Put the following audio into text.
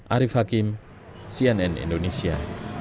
arief hakim cnn indonesia